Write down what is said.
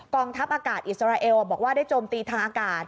ทัพอากาศอิสราเอลบอกว่าได้โจมตีทางอากาศ